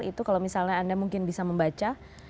itu kalau misalnya anda mungkin bisa membaca